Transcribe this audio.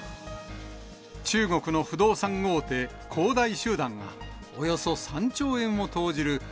中国の不動産大手、恒大集団が、およそ３兆円を投じる